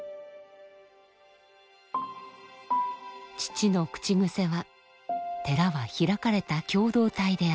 父の口癖は「寺は開かれた共同体であれ」。